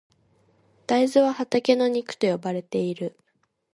大豆は畑の肉と呼ばれている。